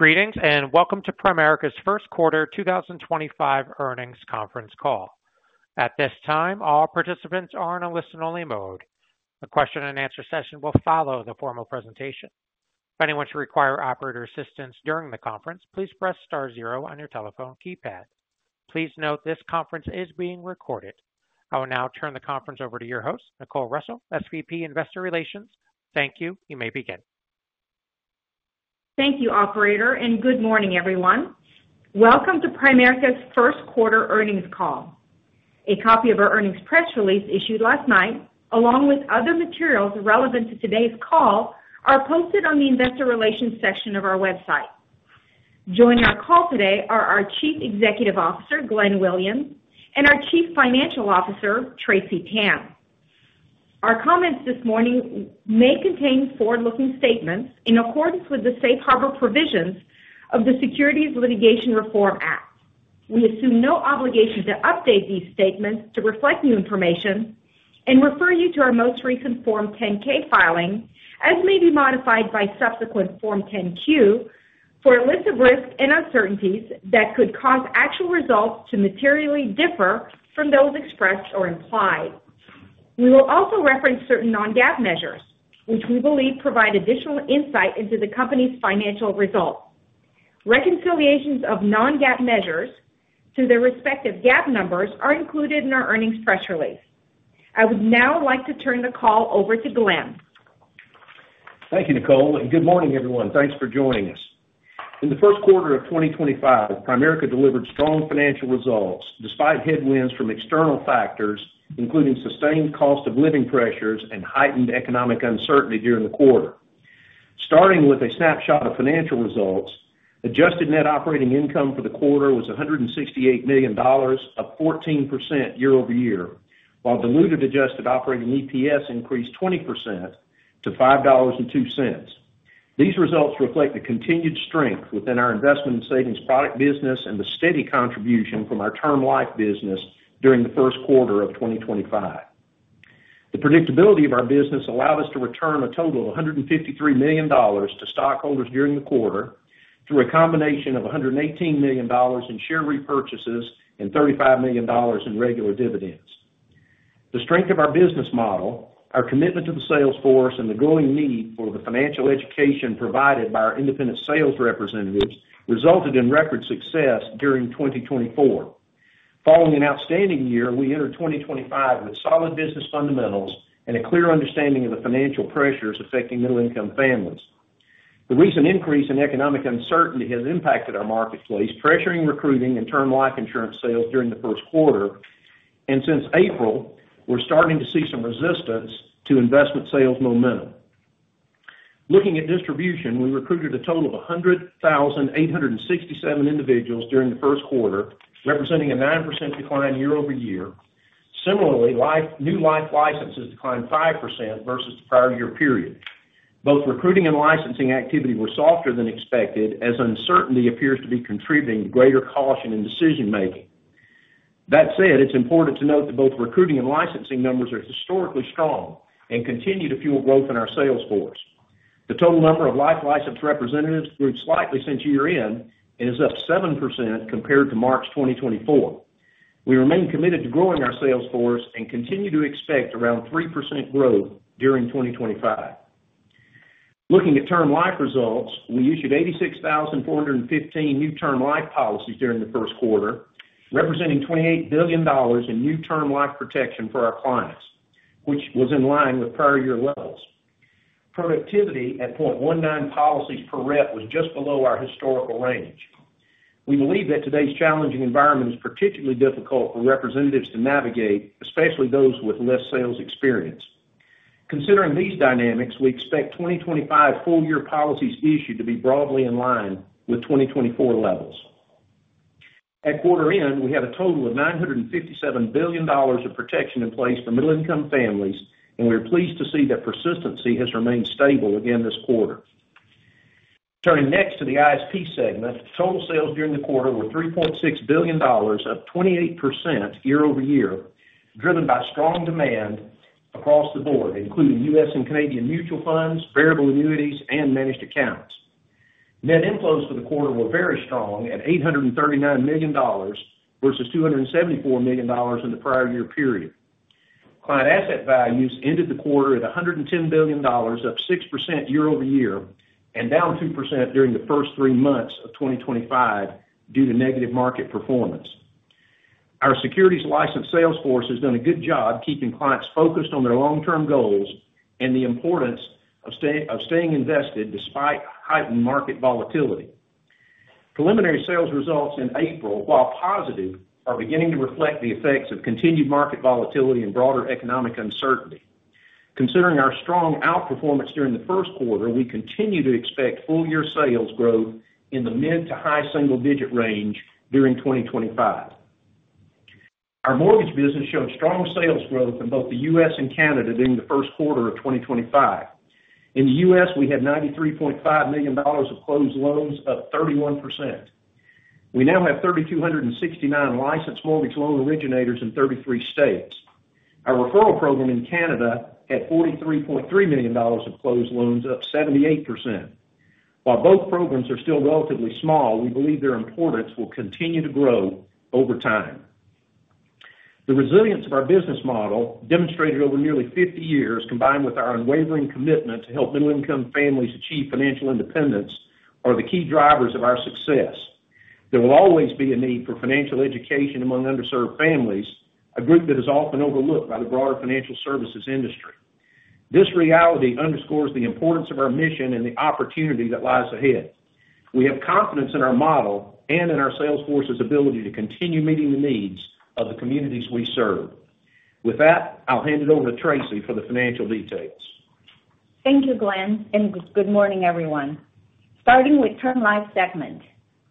Greetings and welcome to Primerica's First Quarter 2025 Earnings Conference Call. At this time, all participants are in a listen-only mode. A question-and-answer session will follow the formal presentation. If anyone should require operator assistance during the conference, please press star zero on your telephone keypad. Please note this conference is being recorded. I will now turn the conference over to your host, Nicole Russell, SVP, Investor Relations. Thank you. You may begin. Thank you, operator, and good morning, everyone. Welcome to Primerica's First Quarter Earnings Call. A copy of our earnings press release issued last night, along with other materials relevant to today's call, are posted on the investor relations section of our website. Joining our call today are our Chief Executive Officer, Glenn Williams, and our Chief Financial Officer, Tracy Tan. Our comments this morning may contain forward-looking statements in accordance with the safe harbor provisions of the Securities Litigation Reform Act. We assume no obligation to update these statements to reflect new information and refer you to our most recent Form 10-K filing, as may be modified by subsequent Form 10-Q, for a list of risks and uncertainties that could cause actual results to materially differ from those expressed or implied. We will also reference certain non-GAAP measures, which we believe provide additional insight into the company's financial results. Reconciliations of non-GAAP measures to their respective GAAP numbers are included in our earnings press release. I would now like to turn the call over to Glenn. Thank you, Nicole, and good morning, everyone. Thanks for joining us. In the first quarter of 2025, Primerica delivered strong financial results despite headwinds from external factors, including sustained cost of living pressures and heightened economic uncertainty during the quarter. Starting with a snapshot of financial results, adjusted net operating income for the quarter was $168 million, up 14% year-over-year, while diluted adjusted operating EPS increased 20% to $5.02. These results reflect the continued strength within our investment and savings product business and the steady contribution from our Term Life business during the first quarter of 2025. The predictability of our business allowed us to return a total of $153 million to stockholders during the quarter through a combination of $118 million in share repurchases and $35 million in regular dividends. The strength of our business model, our commitment to the salesforce, and the growing need for the financial education provided by our independent sales representatives resulted in record success during 2024. Following an outstanding year, we entered 2025 with solid business fundamentals and a clear understanding of the financial pressures affecting middle-income families. The recent increase in economic uncertainty has impacted our marketplace, pressuring recruiting and Term Life Insurance sales during the first quarter, and since April, we're starting to see some resistance to investment sales momentum. Looking at distribution, we recruited a total of 100,867 individuals during the first quarter, representing a 9% decline year-over-year. Similarly, new life licenses declined 5% versus the prior year period. Both recruiting and licensing activity were softer than expected, as uncertainty appears to be contributing to greater caution in decision-making. That said, it's important to note that both recruiting and licensing numbers are historically strong and continue to fuel growth in our salesforce. The total number of life licensed representatives grew slightly since year-end and is up 7% compared to March 2024. We remain committed to growing our salesforce and continue to expect around 3% growth during 2025. Looking at Term Life results, we issued 86,415 new Term Life policies during the first quarter, representing $28 billion in new Term Life protection for our clients, which was in line with prior year levels. Productivity at 0.19 policies per rep was just below our historical range. We believe that today's challenging environment is particularly difficult for representatives to navigate, especially those with less sales experience. Considering these dynamics, we expect 2025 full-year policies issued to be broadly in line with 2024 levels. At quarter-end, we had a total of $957 billion of protection in place for middle-income families, and we are pleased to see that persistency has remained stable again this quarter. Turning next to the ISP segment. Total sales during the quarter were $3.6 billion, up 28% year-over-year, driven by strong demand across the board, including U.S. and Canadian mutual funds, variable annuities, and managed accounts. Net inflows for the quarter were very strong at $839 million versus $274 million in the prior year period. Client asset values ended the quarter at $110 billion, up 6% year-over-year, and down 2% during the first three months of 2025 due to negative market performance. Our securities license salesforce has done a good job keeping clients focused on their long-term goals and the importance of staying invested despite heightened market volatility. Preliminary sales results in April, while positive, are beginning to reflect the effects of continued market volatility and broader economic uncertainty. Considering our strong outperformance during the first quarter, we continue to expect full-year sales growth in the mid to high single-digit range during 2025. Our mortgage business showed strong sales growth in both the U.S. and Canada during the first quarter of 2025. In the U.S., we had $93.5 million of closed loans, up 31%. We now have 3,269 licensed mortgage loan originators in 33 states. Our referral program in Canada had 43.3 million dollars of closed loans, up 78%. While both programs are still relatively small, we believe their importance will continue to grow over time. The resilience of our business model, demonstrated over nearly 50 years, combined with our unwavering commitment to help middle-income families achieve financial independence, are the key drivers of our success. There will always be a need for financial education among underserved families, a group that is often overlooked by the broader financial services industry. This reality underscores the importance of our mission and the opportunity that lies ahead. We have confidence in our model and in our salesforce's ability to continue meeting the needs of the communities we serve. With that, I'll hand it over to Tracy for the financial details. Thank you, Glenn, and good morning, everyone. Starting with Term Life segment.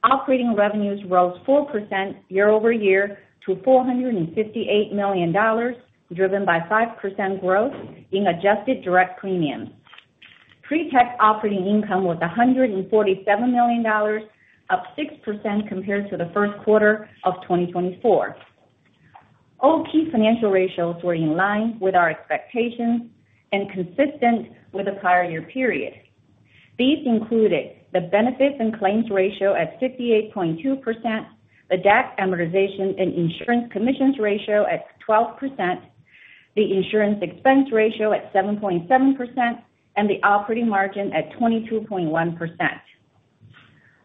Operating revenues rose 4% year-over-year to $458 million, driven by 5% growth in adjusted direct premiums. Pre-tax operating income was $147 million, up 6% compared to the first quarter of 2024. All key financial ratios were in line with our expectations and consistent with the prior year period. These included the benefits and claims ratio at 58.2%, the DAC amortization and insurance commissions ratio at 12%, the insurance expense ratio at 7.7%, and the operating margin at 22.1%.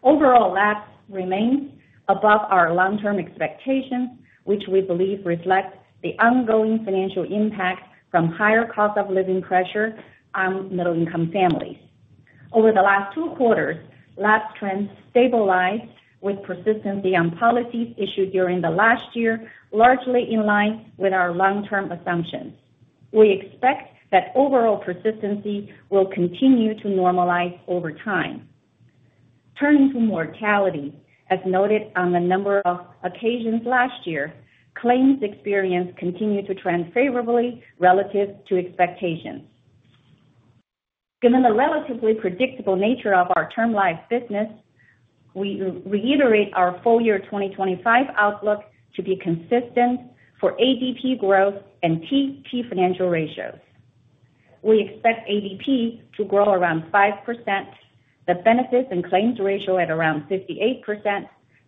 Overall, lapse remains above our long-term expectations, which we believe reflects the ongoing financial impact from higher cost of living pressure on middle-income families. Over the last two quarters, lapse trends stabilized with persistency beyond policies issued during the last year, largely in line with our long-term assumptions. We expect that overall persistency will continue to normalize over time. Turning to mortality, as noted on a number of occasions last year, claims experience continued to trend favorably relative to expectations. Given the relatively predictable nature of our Term Life business, we reiterate our full-year 2025 outlook to be consistent for ADP growth and TP financial ratios. We expect ADP to grow around 5%, the benefits and claims ratio at around 58%,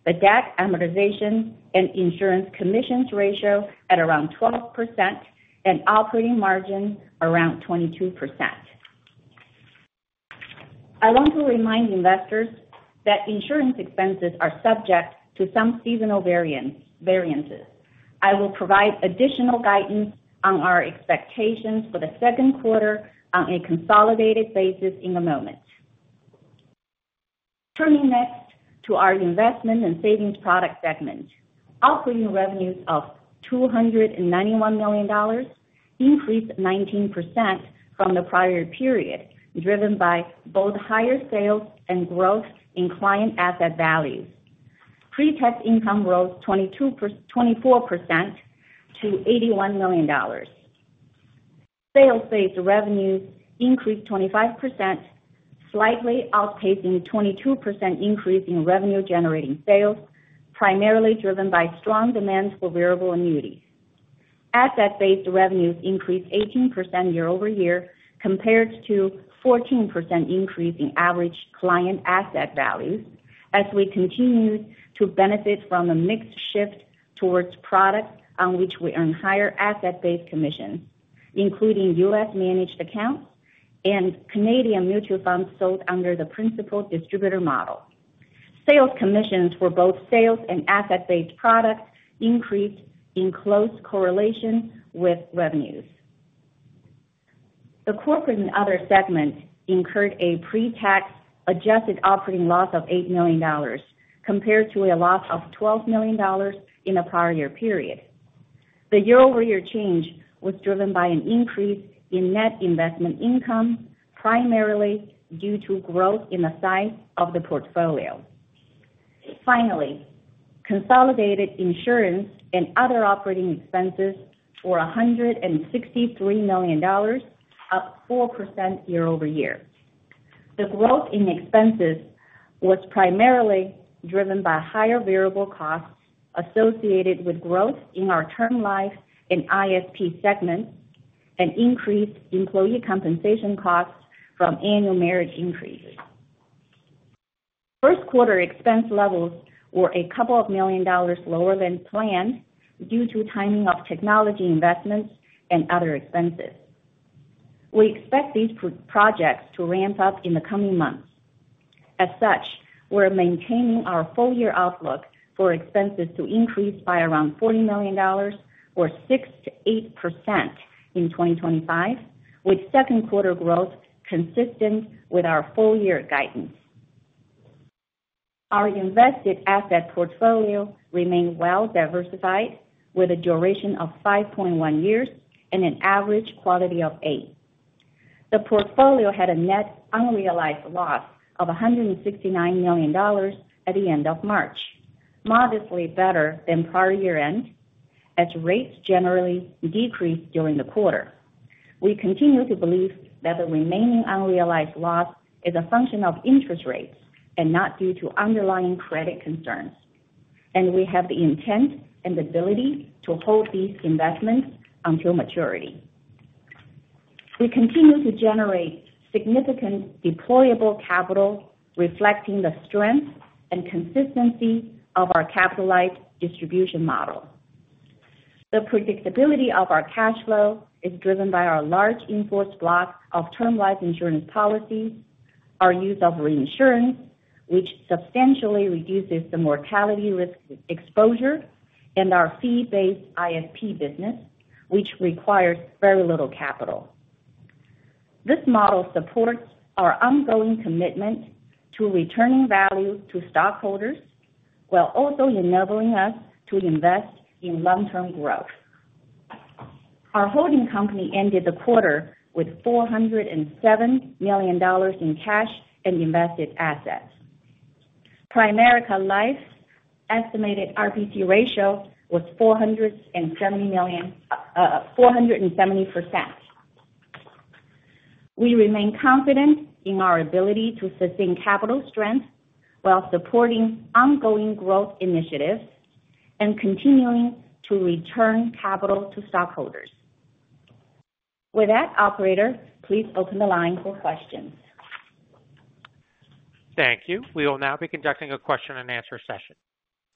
the DAC amortization and insurance commissions ratio at around 12%, and operating margin around 22%. I want to remind investors that insurance expenses are subject to some seasonal variances. I will provide additional guidance on our expectations for the second quarter on a consolidated basis in a moment. Turning next to our investment and savings product segment, operating revenues of $291 million increased 19% from the prior period, driven by both higher sales and growth in client asset values. Pre-tax income rose 24% to $81 million. Sales-based revenues increased 25%, slightly outpacing a 22% increase in revenue-generating sales, primarily driven by strong demand for variable annuities. Asset-based revenues increased 18% year-over-year compared to a 14% increase in average client asset values, as we continue to benefit from a mix shift towards products on which we earn higher asset-based commissions, including U.S. managed accounts and Canadian mutual funds sold under the principal distributor model. Sales commissions for both sales and asset-based products increased in close correlation with revenues. The corporate and other segments incurred a pre-tax adjusted operating loss of $8 million compared to a loss of $12 million in the prior year period. The year-over-year change was driven by an increase in net investment income, primarily due to growth in the size of the portfolio. Finally, consolidated insurance and other operating expenses were $163 million, up 4% year-over-year. The growth in expenses was primarily driven by higher variable costs associated with growth in our Term Life and ISP segments and increased employee compensation costs from annual merit increases. First-quarter expense levels were a couple of million dollars lower than planned due to timing of technology investments and other expenses. We expect these projects to ramp up in the coming months. As such, we're maintaining our full-year outlook for expenses to increase by around $40 million, or 6%-8% in 2025, with second-quarter growth consistent with our full-year guidance. Our invested asset portfolio remained well-diversified, with a duration of 5.1 years and an average quality of A. The portfolio had a net unrealized loss of $169 million at the end of March, modestly better than prior year-end, as rates generally decreased during the quarter. We continue to believe that the remaining unrealized loss is a function of interest rates and not due to underlying credit concerns, and we have the intent and ability to hold these investments until maturity. We continue to generate significant deployable capital, reflecting the strength and consistency of our capital-light distribution model. The predictability of our cash flow is driven by our large in-force block of Term Life Insurance policies, our use of reinsurance, which substantially reduces the mortality risk exposure, and our fee-based ISP business, which requires very little capital. This model supports our ongoing commitment to returning value to stockholders while also enabling us to invest in long-term growth. Our holding company ended the quarter with $407 million in cash and invested assets. Primerica Life estimated RBC ratio was 470%. We remain confident in our ability to sustain capital strength while supporting ongoing growth initiatives and continuing to return capital to stockholders. With that, operator, please open the line for questions. Thank you. We will now be conducting a question-and-answer session.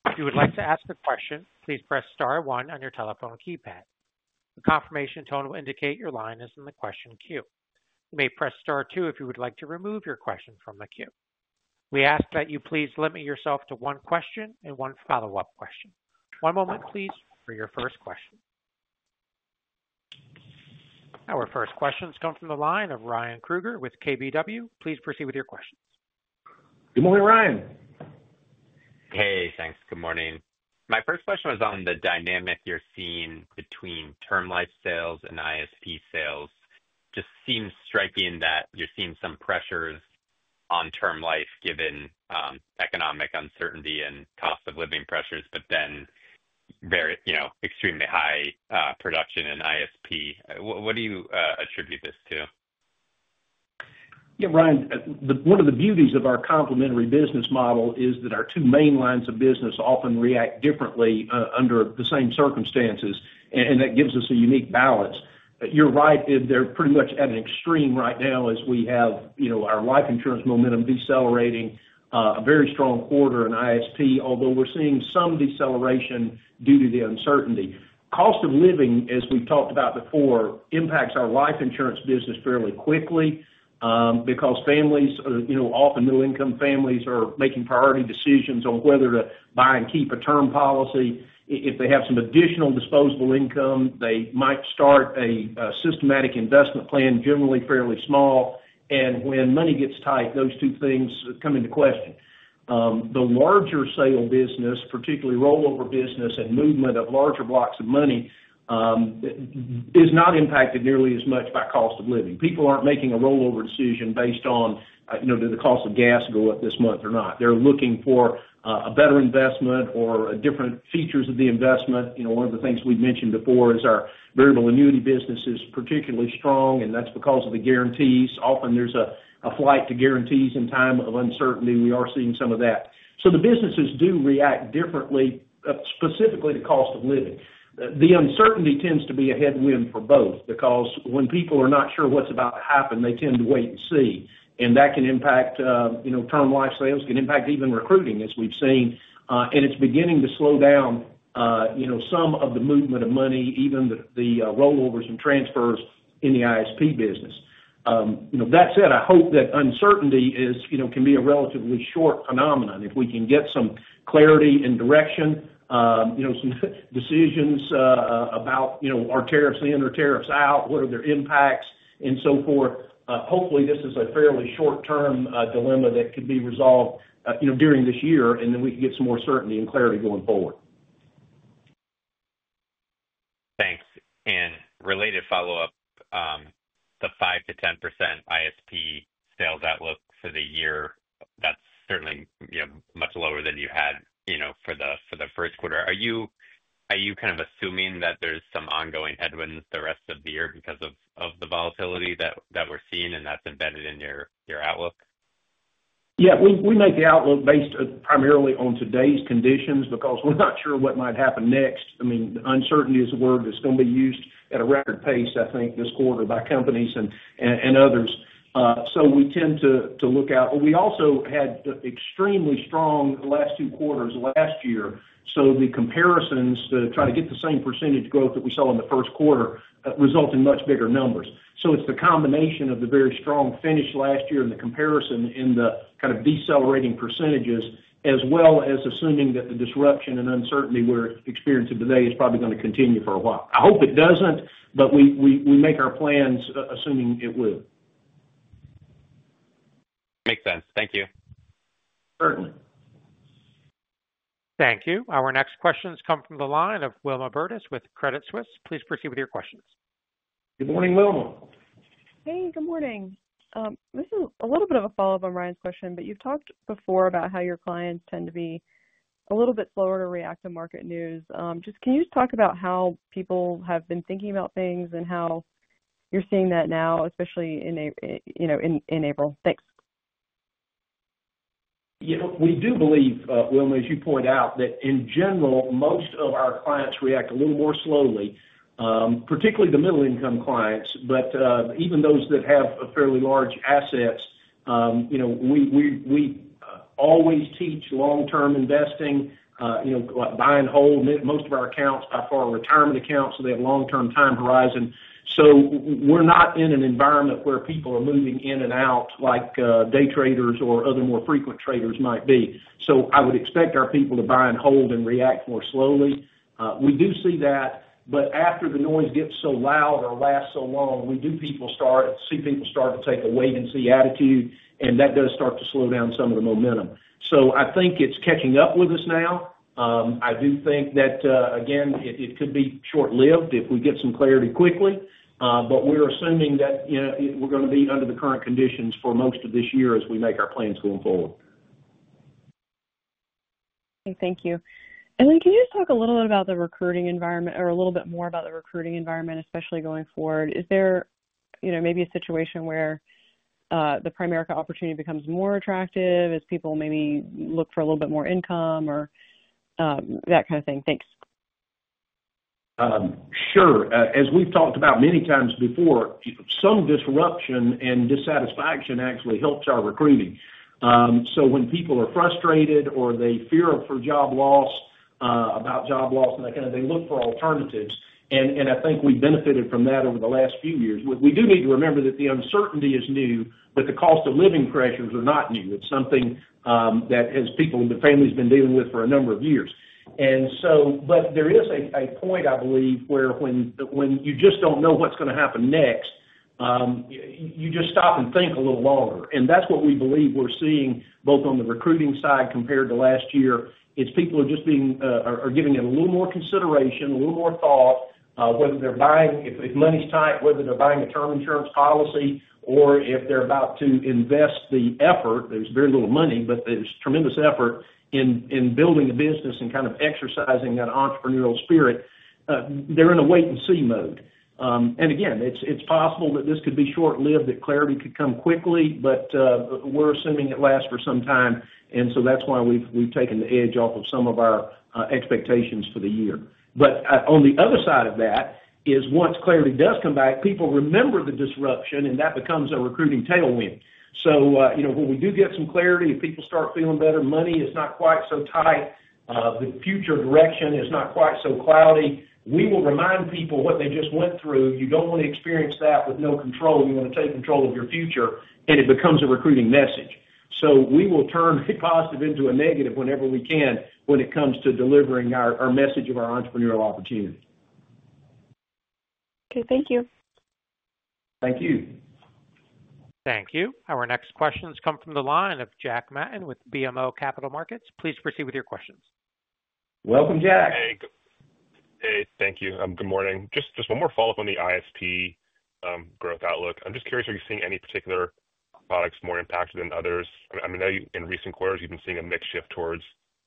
If you would like to ask a question, please press star one on your telephone keypad. The confirmation tone will indicate your line is in the question queue. You may press star two if you would like to remove your question from the queue. We ask that you please limit yourself to one question and one follow-up question. One moment, please, for your first question. Our first questions come from the line of Ryan Krueger with KBW. Please proceed with your questions. Good morning, Ryan. Hey, thanks. Good morning. My first question was on the dynamic you're seeing between Term Life sales and ISP sales. It just seems striking that you're seeing some pressures on Term Life given economic uncertainty and cost of living pressures, but then very, you know, extremely high production in ISP. What do you attribute this to? Yeah, Ryan, one of the beauties of our complementary business model is that our two main lines of business often react differently under the same circumstances, and that gives us a unique balance. You're right, they're pretty much at an extreme right now as we have, you know, our life insurance momentum decelerating, a very strong quarter in ISP, although we're seeing some deceleration due to the uncertainty. Cost of living, as we've talked about before, impacts our life insurance business fairly quickly because families, you know, often middle-income families, are making priority decisions on whether to buy and keep a term policy. If they have some additional disposable income, they might start a systematic investment plan, generally fairly small, and when money gets tight, those two things come into question. The larger sale business, particularly rollover business and movement of larger blocks of money, is not impacted nearly as much by cost of living. People aren't making a rollover decision based on, you know, did the cost of gas go up this month or not. They're looking for a better investment or different features of the investment. You know, one of the things we mentioned before is our variable annuity business is particularly strong, and that's because of the guarantees. Often, there's a flight to guarantees in time of uncertainty. We are seeing some of that. The businesses do react differently, specifically to cost of living. The uncertainty tends to be a headwind for both because when people are not sure what's about to happen, they tend to wait and see, and that can impact, you know, Term Life sales, can impact even recruiting, as we've seen, and it's beginning to slow down, you know, some of the movement of money, even the rollovers and transfers in the ISP business. You know, that said, I hope that uncertainty is, you know, can be a relatively short phenomenon if we can get some clarity and direction, you know, some decisions about, you know, are tariffs in or tariffs out, what are their impacts, and so forth. Hopefully, this is a fairly short-term dilemma that could be resolved, you know, during this year, and then we can get some more certainty and clarity going forward. Thanks. And related follow-up, the 5%-10% ISP sales outlook for the year, that's certainly, you know, much lower than you had, you know, for the first quarter. Are you kind of assuming that there's some ongoing headwinds the rest of the year because of the volatility that we're seeing, and that's embedded in your outlook? Yeah, we make the outlook based primarily on today's conditions because we're not sure what might happen next. I mean, uncertainty is a word that's going to be used at a record pace, I think, this quarter by companies and others. We tend to look out. We also had extremely strong last two quarters last year, so the comparisons to try to get the same percentage growth that we saw in the first quarter result in much bigger numbers. It's the combination of the very strong finish last year and the comparison in the kind of decelerating percentages, as well as assuming that the disruption and uncertainty we're experiencing today is probably going to continue for a while. I hope it doesn't, but we make our plans assuming it will. Makes sense. Thank you. Certainly. Thank you. Our next questions come from the line of Wilma Burdis with Credit Suisse. Please proceed with your questions. Good morning, Wilma. Hey, good morning. This is a little bit of a follow-up on Ryan's question, but you've talked before about how your clients tend to be a little bit slower to react to market news. Just can you talk about how people have been thinking about things and how you're seeing that now, especially in April? Thanks. Yeah, we do believe, Wilma, as you point out, that in general, most of our clients react a little more slowly, particularly the middle-income clients, but even those that have fairly large assets. You know, we always teach long-term investing, you know, buy and hold. Most of our accounts by far are retirement accounts, so they have a long-term time horizon. We are not in an environment where people are moving in and out like day traders or other more frequent traders might be. I would expect our people to buy and hold and react more slowly. We do see that, but after the noise gets so loud or lasts so long, we do start to see people take a wait-and-see attitude, and that does start to slow down some of the momentum. I think it is catching up with us now. I do think that, again, it could be short-lived if we get some clarity quickly, but we're assuming that, you know, we're going to be under the current conditions for most of this year as we make our plans going forward. Thank you. Can you just talk a little bit about the recruiting environment or a little bit more about the recruiting environment, especially going forward? Is there, you know, maybe a situation where the Primerica opportunity becomes more attractive as people maybe look for a little bit more income or that kind of thing? Thanks. Sure. As we've talked about many times before, some disruption and dissatisfaction actually helps our recruiting. When people are frustrated or they fear for job loss, about job loss and that kind of thing, they look for alternatives, and I think we've benefited from that over the last few years. We do need to remember that the uncertainty is new, but the cost of living pressures are not new. It's something that has people, the families been dealing with for a number of years. There is a point, I believe, where when you just don't know what's going to happen next, you just stop and think a little longer. That's what we believe we're seeing both on the recruiting side compared to last year. People are just giving it a little more consideration, a little more thought, whether they're buying, if money's tight, whether they're buying a term insurance policy or if they're about to invest the effort. There's very little money, but there's tremendous effort in building a business and kind of exercising that entrepreneurial spirit. They're in a wait-and-see mode. It is possible that this could be short-lived, that clarity could come quickly, but we're assuming it lasts for some time, and that's why we've taken the edge off of some of our expectations for the year. On the other side of that is once clarity does come back, people remember the disruption, and that becomes our recruiting tailwind. You know, when we do get some clarity, if people start feeling better, money is not quite so tight, the future direction is not quite so cloudy, we will remind people what they just went through. You do not want to experience that with no control. You want to take control of your future, and it becomes a recruiting message. We will turn positive into a negative whenever we can when it comes to delivering our message of our entrepreneurial opportunity. Okay. Thank you. Thank you. Thank you. Our next questions come from the line of Jack Matten with BMO Capital Markets. Please proceed with your questions. Welcome, Jack. Hey. Thank you. Good morning. Just one more follow-up on the ISP growth outlook. I'm just curious, are you seeing any particular products more impacted than others? I mean, I know in recent quarters, you've been seeing a mixed shift towards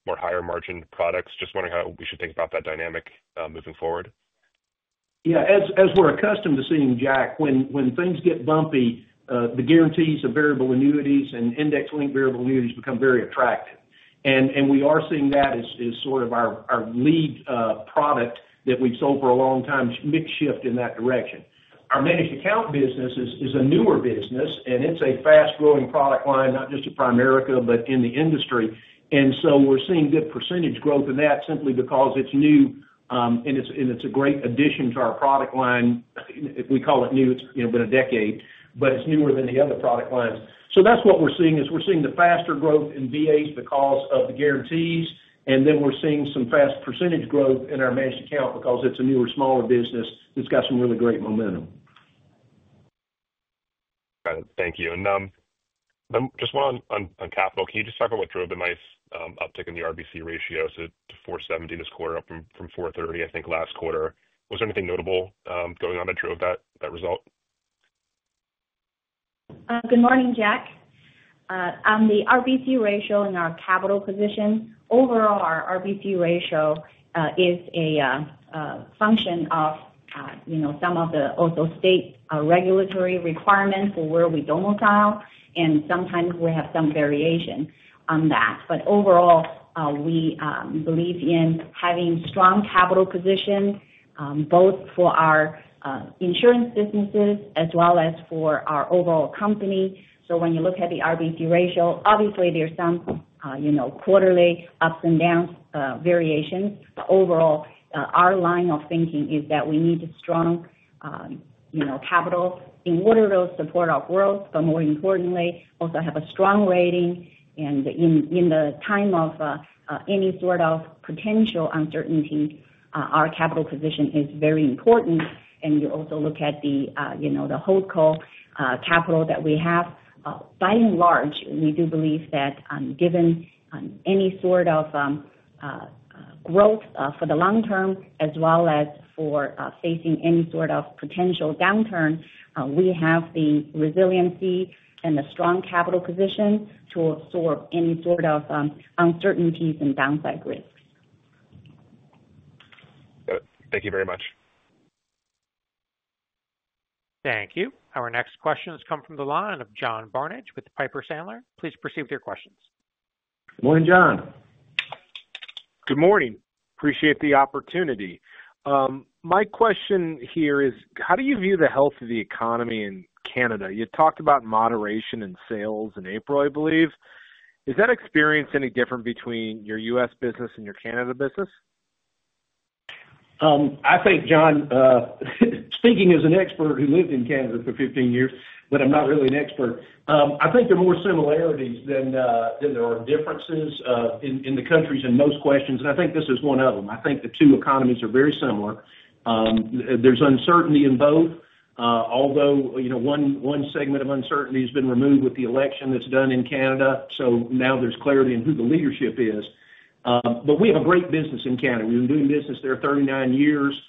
more higher margin products. Just wondering how we should think about that dynamic moving forward. Yeah. As we're accustomed to seeing, Jack, when things get bumpy, the guarantees of variable annuities and index-linked variable annuities become very attractive. We are seeing that as sort of our lead product that we've sold for a long time, mixed shift in that direction. Our managed account business is a newer business, and it's a fast-growing product line, not just at Primerica, but in the industry. We are seeing good percentage growth in that simply because it's new, and it's a great addition to our product line. We call it new. It's been a decade, but it's newer than the other product lines. That's what we're seeing is we're seeing the faster growth in VAs because of the guarantees, and then we're seeing some fast percentage growth in our managed account because it's a newer, smaller business that's got some really great momentum. Got it. Thank you. Just one on capital, can you just talk about what drove the nice uptick in the RBC ratio to 470% this quarter, up from 430%, I think, last quarter? Was there anything notable going on that drove that result? Good morning, Jack. On the RBC ratio in our capital position, overall, our RBC ratio is a function of, you know, some of the also state regulatory requirements for where we do not allow, and sometimes we have some variation on that. Overall, we believe in having strong capital position both for our insurance businesses as well as for our overall company. When you look at the RBC ratio, obviously, there are some, you know, quarterly ups and downs variations. Overall, our line of thinking is that we need strong, you know, capital in order to support our growth, but more importantly, also have a strong rating. In the time of any sort of potential uncertainty, our capital position is very important. You also look at the, you know, the hold call capital that we have. By and large, we do believe that given any sort of growth for the long term, as well as for facing any sort of potential downturn, we have the resiliency and the strong capital position to absorb any sort of uncertainties and downside risks. Thank you very much. Thank you. Our next questions come from the line of John Barnidge with Piper Sandler. Please proceed with your questions. Morning, John. Good morning. Appreciate the opportunity. My question here is, how do you view the health of the economy in Canada? You talked about moderation in sales in April, I believe. Is that experience any different between your U.S. business and your Canada business? I think, John, speaking as an expert who lived in Canada for 15 years, but I'm not really an expert, I think there are more similarities than there are differences in the countries in most questions, and I think this is one of them. I think the two economies are very similar. There's uncertainty in both, although, you know, one segment of uncertainty has been removed with the election that's done in Canada, so now there's clarity in who the leadership is. We have a great business in Canada. We've been doing business there 39 years.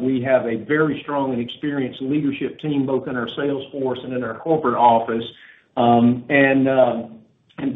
We have a very strong and experienced leadership team, both in our salesforce and in our corporate office.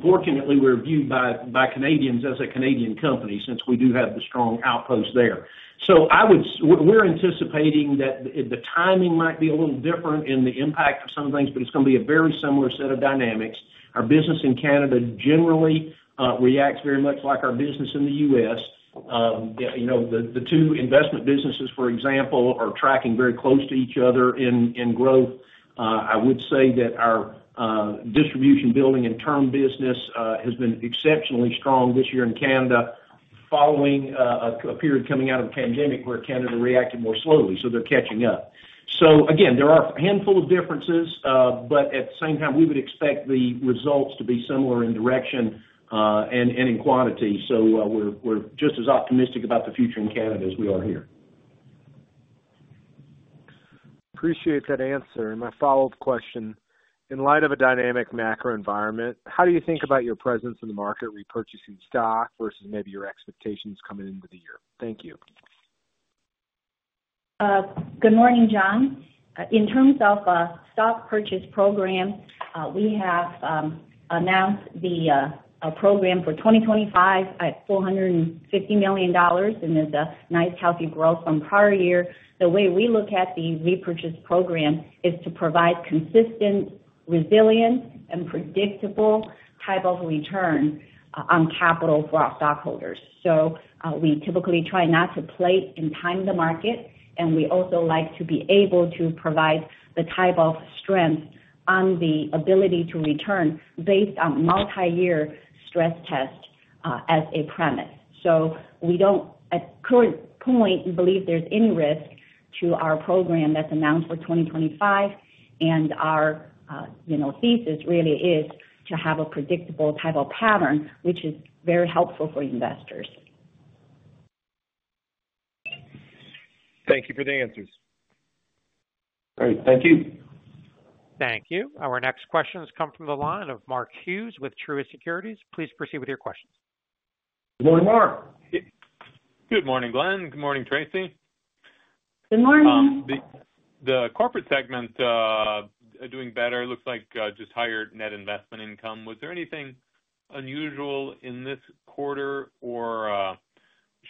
Fortunately, we're viewed by Canadians as a Canadian company since we do have the strong outpost there. We're anticipating that the timing might be a little different in the impact of some things, but it's going to be a very similar set of dynamics. Our business in Canada generally reacts very much like our business in the U.S. You know, the two investment businesses, for example, are tracking very close to each other in growth. I would say that our distribution building and term business has been exceptionally strong this year in Canada, following a period coming out of the pandemic where Canada reacted more slowly, so they're catching up. Again, there are a handful of differences, but at the same time, we would expect the results to be similar in direction and in quantity. We're just as optimistic about the future in Canada as we are here. Appreciate that answer. My follow-up question, in light of a dynamic macro environment, how do you think about your presence in the market repurchasing stock versus maybe your expectations coming into the year? Thank you. Good morning, John. In terms of stock purchase program, we have announced the program for 2025 at $450 million, and there's a nice healthy growth from prior year. The way we look at the repurchase program is to provide consistent, resilient, and predictable type of return on capital for our stockholders. We typically try not to plate and time the market, and we also like to be able to provide the type of strength on the ability to return based on multi-year stress test as a premise. We do not, at current point, believe there's any risk to our program that's announced for 2025, and our, you know, thesis really is to have a predictable type of pattern, which is very helpful for investors. Thank you for the answers. All right. Thank you. Thank you. Our next questions come from the line of Mark Hughes with Truist Securities. Please proceed with your questions. Good morning, Mark. Good morning, Glenn. Good morning, Tracy. Good morning. The Corporate segment doing better. It looks like just higher net investment income. Was there anything unusual in this quarter, or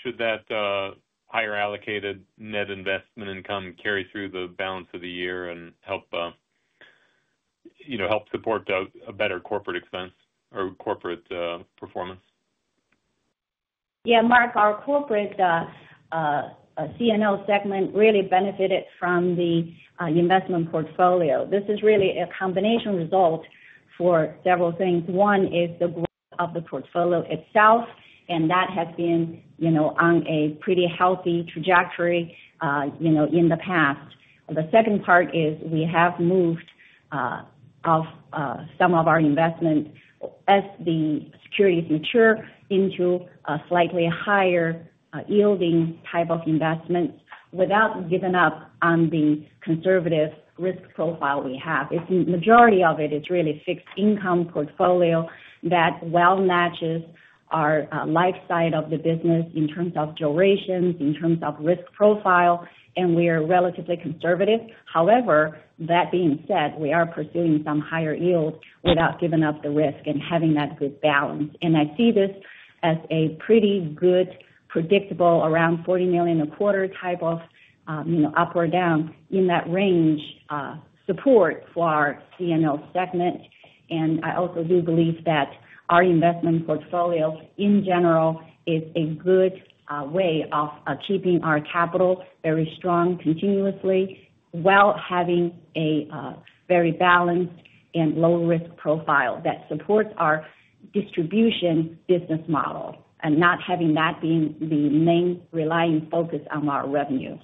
should that higher allocated net investment income carry through the balance of the year and help, you know, help support a better corporate expense or corporate performance? Yeah. Mark, our corporate C&O segment really benefited from the investment portfolio. This is really a combination result for several things. One is the growth of the portfolio itself, and that has been, you know, on a pretty healthy trajectory, you know, in the past. The second part is we have moved some of our investment, as the securities mature, into a slightly higher yielding type of investments without giving up on the conservative risk profile we have. The majority of it is really fixed income portfolio that well matches our life side of the business in terms of durations, in terms of risk profile, and we are relatively conservative. However, that being said, we are pursuing some higher yield without giving up the risk and having that good balance. I see this as a pretty good predictable around $40 million a quarter type of, you know, up or down in that range support for our C&O segment. I also do believe that our investment portfolio, in general, is a good way of keeping our capital very strong continuously while having a very balanced and low-risk profile that supports our distribution business model and not having that being the main relying focus on our revenue.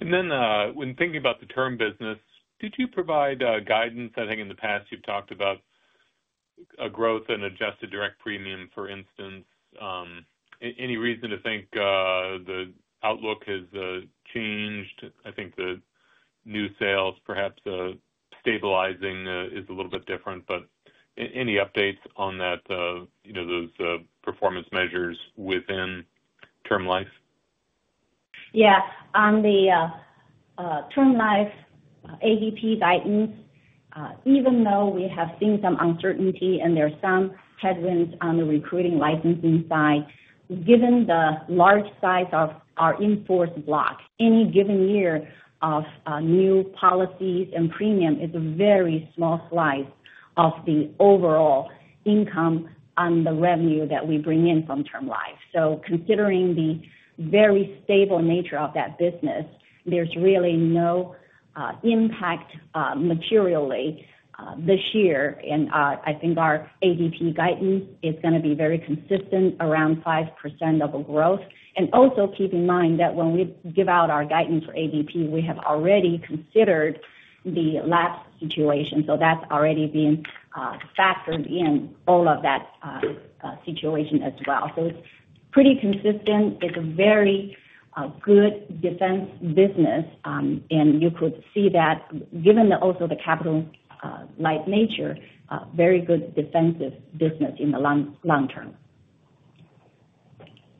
When thinking about the term business, did you provide guidance? I think in the past you've talked about a growth in adjusted direct premium, for instance. Any reason to think the outlook has changed? I think the new sales, perhaps stabilizing, is a little bit different. Any updates on that, you know, those performance measures within Term Life? Yeah. On the Term Life AVP guidance, even though we have seen some uncertainty and there are some headwinds on the recruiting licensing side, given the large size of our in-force block, any given year of new policies and premium is a very small slice of the overall income on the revenue that we bring in from Term Life. Considering the very stable nature of that business, there's really no impact materially this year. I think our AVP guidance is going to be very consistent around 5% of a growth. Also keep in mind that when we give out our guidance for AVP, we have already considered the lapse situation. That's already been factored in all of that situation as well. It's pretty consistent. It's a very good defense business, and you could see that given also the capital-light nature, very good defensive business in the long term.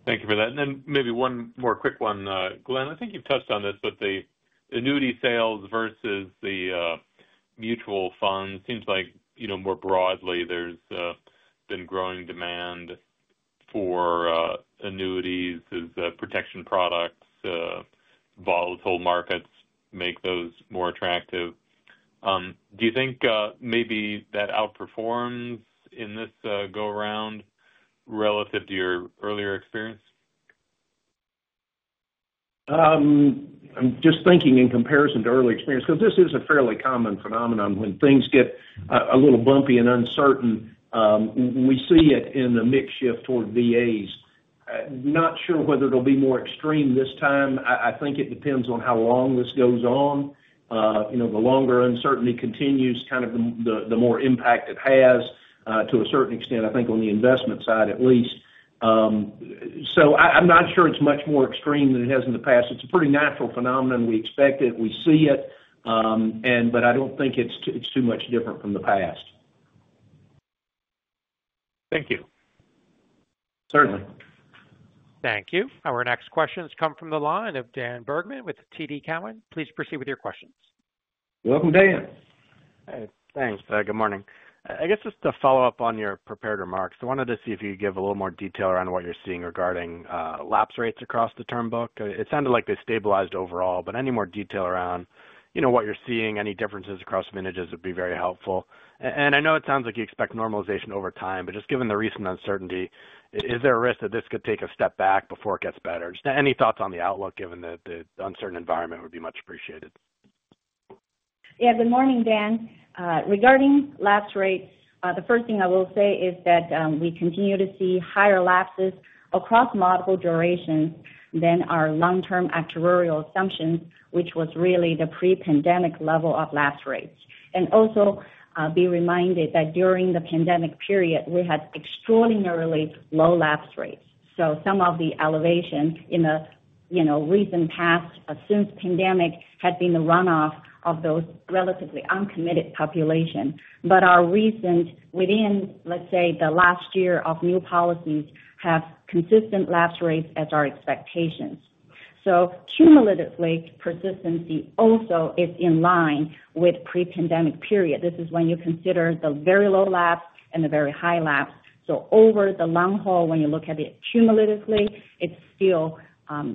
Thank you for that. Maybe one more quick one, Glenn. I think you've touched on this, but the annuity sales versus the mutual funds seems like, you know, more broadly, there's been growing demand for annuities as protection products. Volatile markets make those more attractive. Do you think maybe that outperforms in this go-around relative to your earlier experience? I'm just thinking in comparison to earlier experience because this is a fairly common phenomenon when things get a little bumpy and uncertain. We see it in the mixed shift toward VAs. Not sure whether it'll be more extreme this time. I think it depends on how long this goes on. You know, the longer uncertainty continues, kind of the more impact it has to a certain extent, I think, on the investment side at least. So I'm not sure it's much more extreme than it has in the past. It's a pretty natural phenomenon. We expect it. We see it. But I don't think it's too much different from the past. Thank you. Certainly. Thank you. Our next questions come from the line of Dan Bergman with TD Cowen. Please proceed with your questions. Welcome, Dan. Hey. Thanks. Good morning. I guess just to follow up on your prepared remarks, I wanted to see if you could give a little more detail around what you're seeing regarding lapse rates across the term book. It sounded like they stabilized overall, but any more detail around, you know, what you're seeing, any differences across vintages would be very helpful. I know it sounds like you expect normalization over time, but just given the recent uncertainty, is there a risk that this could take a step back before it gets better? Just any thoughts on the outlook, given that the uncertain environment would be much appreciated. Yeah. Good morning, Dan. Regarding lapse rates, the first thing I will say is that we continue to see higher lapses across multiple durations than our long-term actuarial assumptions, which was really the pre-pandemic level of lapse rates. Also be reminded that during the pandemic period, we had extraordinarily low lapse rates. Some of the elevation in the, you know, recent past since pandemic had been the runoff of those relatively uncommitted population. Our recent, within, let's say, the last year of new policies have consistent lapse rates as our expectations. Cumulatively, persistency also is in line with pre-pandemic period. This is when you consider the very low lapse and the very high lapse. Over the long haul, when you look at it cumulatively, it's still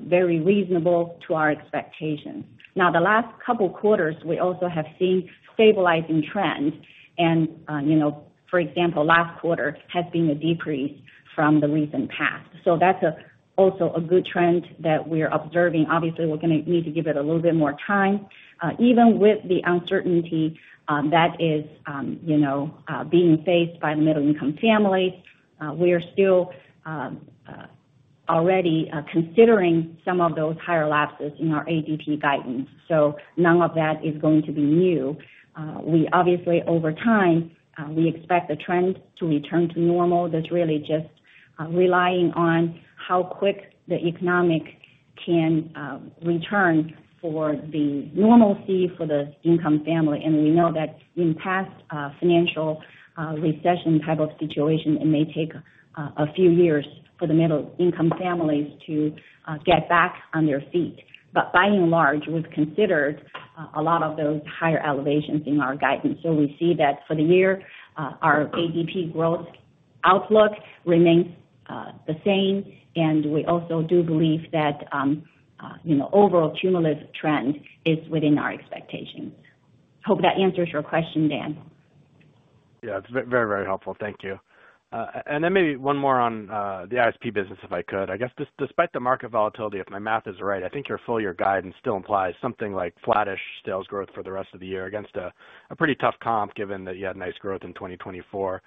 very reasonable to our expectations. The last couple of quarters, we also have seen stabilizing trends. You know, for example, last quarter has been a decrease from the recent past. That is also a good trend that we're observing. Obviously, we're going to need to give it a little bit more time. Even with the uncertainty that is, you know, being faced by middle-income families, we are still already considering some of those higher lapses in our AVP guidance. None of that is going to be new. We obviously, over time, expect the trend to return to normal. That is really just relying on how quick the economic can return for the normalcy for the income family. We know that in past financial recession type of situation, it may take a few years for the middle-income families to get back on their feet. By and large, we've considered a lot of those higher elevations in our guidance. We see that for the year, our AVP growth outlook remains the same. We also do believe that, you know, overall cumulative trend is within our expectations. Hope that answers your question, Dan. Yeah. It's very, very helpful. Thank you. Maybe one more on the ISP business, if I could. I guess despite the market volatility, if my math is right, I think your full year guidance still implies something like flattish sales growth for the rest of the year against a pretty tough comp, given that you had nice growth in 2024.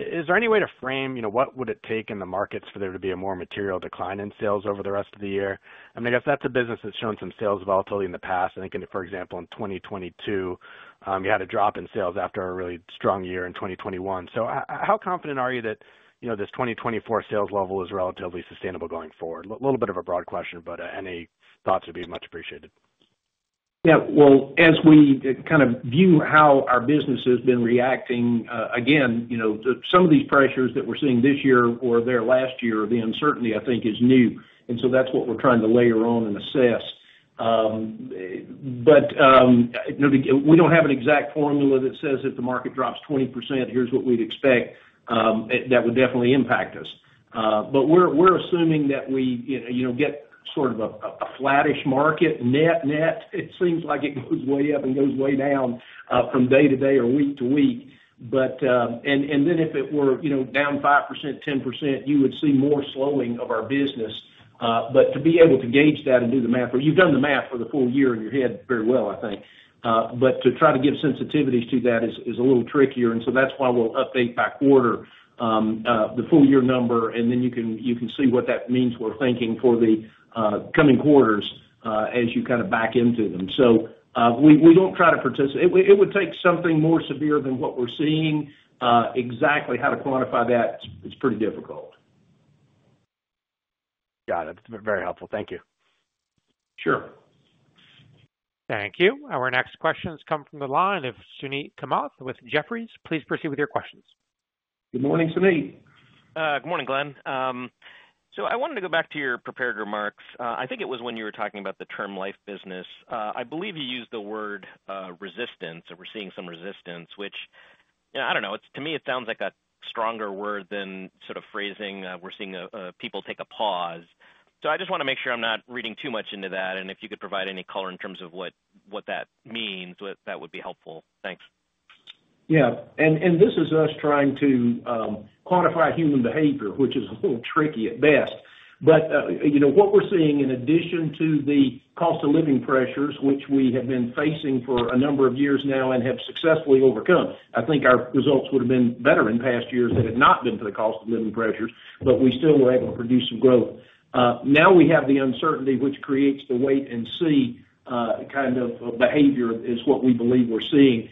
Is there any way to frame, you know, what would it take in the markets for there to be a more material decline in sales over the rest of the year? I mean, I guess that's a business that's shown some sales volatility in the past. I think, for example, in 2022, you had a drop in sales after a really strong year in 2021. How confident are you that, you know, this 2024 sales level is relatively sustainable going forward? A little bit of a broad question, but any thoughts would be much appreciated. Yeah. As we kind of view how our business has been reacting, again, you know, some of these pressures that we're seeing this year or there last year, the uncertainty, I think, is new. That is what we're trying to layer on and assess. You know, we do not have an exact formula that says if the market drops 20%, here is what we would expect. That would definitely impact us. We are assuming that we, you know, get sort of a flattish market, net, net. It seems like it goes way up and goes way down from day to day or week to week. If it were, you know, down 5%, 10%, you would see more slowing of our business. To be able to gauge that and do the math, or you've done the math for the full year in your head very well, I think. To try to give sensitivities to that is a little trickier. That is why we'll update by quarter the full year number, and then you can see what that means we're thinking for the coming quarters as you kind of back into them. We do not try to participate. It would take something more severe than what we're seeing. Exactly how to quantify that, it's pretty difficult. Got it. Very helpful. Thank you. Sure. Thank you. Our next questions come from the line of Suneet Kamath with Jefferies. Please proceed with your questions. Good morning, Suneet. Good morning, Glenn. I wanted to go back to your prepared remarks. I think it was when you were talking about the Term Life business. I believe you used the word resistance, or we're seeing some resistance, which, you know, I don't know, to me, it sounds like a stronger word than sort of phrasing we're seeing people take a pause. I just want to make sure I'm not reading too much into that. If you could provide any color in terms of what that means, that would be helpful. Thanks. Yeah. This is us trying to quantify human behavior, which is a little tricky at best. You know, what we're seeing in addition to the cost of living pressures, which we have been facing for a number of years now and have successfully overcome, I think our results would have been better in past years had it not been for the cost of living pressures, but we still were able to produce some growth. Now we have the uncertainty, which creates the wait and see kind of behavior is what we believe we're seeing.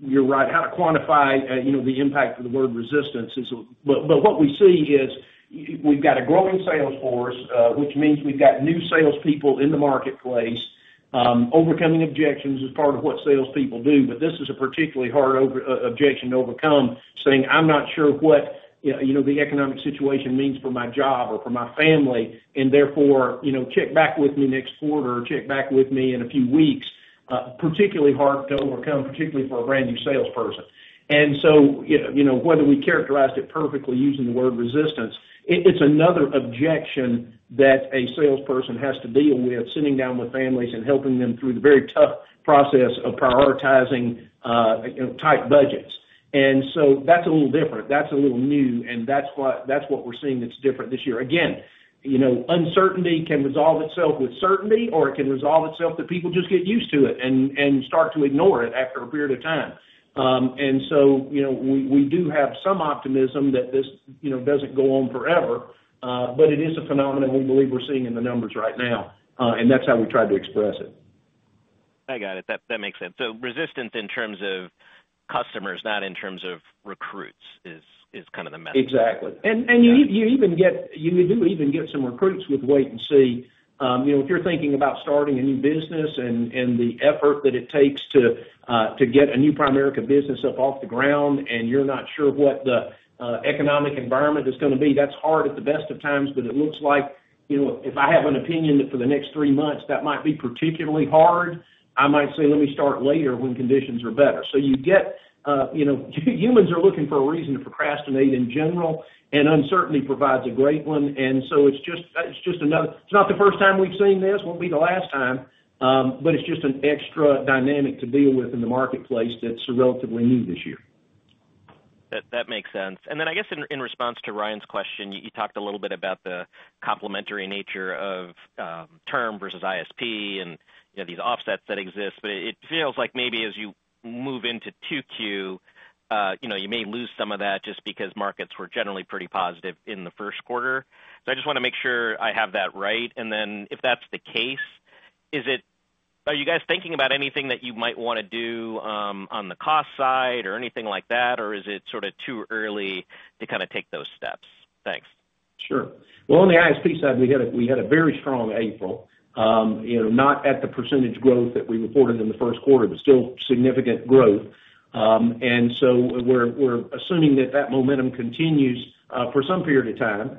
You're right. How to quantify, you know, the impact of the word resistance is, but what we see is we've got a growing sales force, which means we've got new salespeople in the marketplace overcoming objections as part of what salespeople do. This is a particularly hard objection to overcome, saying, "I'm not sure what, you know, the economic situation means for my job or for my family, and therefore, you know, check back with me next quarter or check back with me in a few weeks." Particularly hard to overcome, particularly for a brand new salesperson. You know, whether we characterized it perfectly using the word resistance, it is another objection that a salesperson has to deal with sitting down with families and helping them through the very tough process of prioritizing, you know, tight budgets. That is a little different. That is a little new. That is what we are seeing that is different this year. Again, you know, uncertainty can resolve itself with certainty, or it can resolve itself that people just get used to it and start to ignore it after a period of time. You know, we do have some optimism that this, you know, does not go on forever, but it is a phenomenon we believe we are seeing in the numbers right now. That is how we tried to express it. I got it. That makes sense. Resistance in terms of customers, not in terms of recruits, is kind of the message? Exactly. You even get, you do even get some recruits with wait and see. You know, if you're thinking about starting a new business and the effort that it takes to get a new Primerica business up off the ground, and you're not sure what the economic environment is going to be, that's hard at the best of times. It looks like, you know, if I have an opinion that for the next three months, that might be particularly hard, I might say, "Let me start later when conditions are better." You get, you know, humans are looking for a reason to procrastinate in general, and uncertainty provides a great one. It is just, it is just another, it is not the first time we've seen this. It will not be the last time. It is just an extra dynamic to deal with in the marketplace that is relatively new this year. That makes sense. I guess in response to Ryan's question, you talked a little bit about the complementary nature of term versus ISP and, you know, these offsets that exist. It feels like maybe as you move into 2Q, you may lose some of that just because markets were generally pretty positive in the first quarter. I just want to make sure I have that right. If that is the case, are you guys thinking about anything that you might want to do on the cost side or anything like that, or is it sort of too early to kind of take those steps? Thanks. Sure. On the ISP side, we had a very strong April, you know, not at the percentage growth that we reported in the first quarter, but still significant growth. We are assuming that momentum continues for some period of time.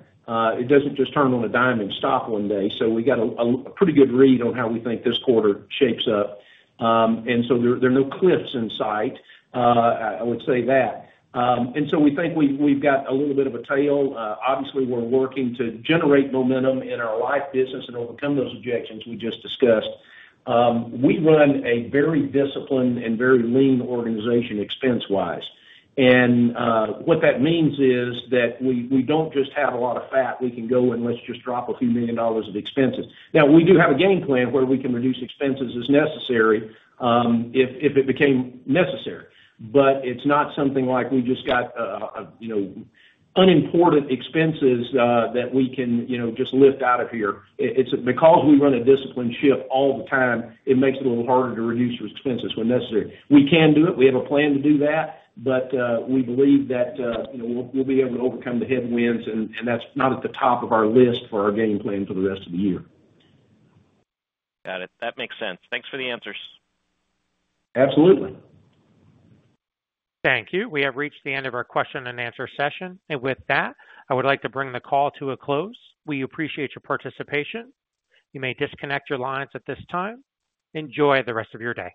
It does not just turn on a dime and stop one day. We have a pretty good read on how we think this quarter shapes up. There are no cliffs in sight, I would say that. We think we have got a little bit of a tail. Obviously, we are working to generate momentum in our life business and overcome those objections we just discussed. We run a very disciplined and very lean organization expense-wise. What that means is that we do not just have a lot of fat. We cannot go and just drop a few million dollars of expenses. Now, we do have a game plan where we can reduce expenses as necessary if it became necessary. But it's not something like we just got, you know, unimportant expenses that we can, you know, just lift out of here. It's because we run a disciplined ship all the time, it makes it a little harder to reduce your expenses when necessary. We can do it. We have a plan to do that. But we believe that, you know, we'll be able to overcome the headwinds. And that's not at the top of our list for our game plan for the rest of the year. Got it. That makes sense. Thanks for the answers. Absolutely. Thank you. We have reached the end of our question-and-answer session. With that, I would like to bring the call to a close. We appreciate your participation. You may disconnect your lines at this time. Enjoy the rest of your day.